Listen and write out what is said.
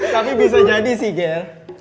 tapi bisa jadi sih gel